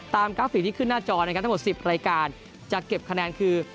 กราฟิกที่ขึ้นหน้าจอนะครับทั้งหมด๑๐รายการจะเก็บคะแนนคือ